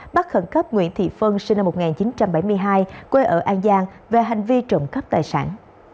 bắt khẩn cấp nguyễn thị phân sinh năm một nghìn chín trăm bảy mươi hai quê ở an giang về hành vi trộm cắp tài sản